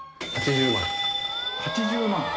８０万円。